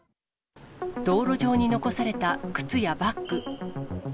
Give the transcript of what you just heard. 道路上に残された靴やバッグ。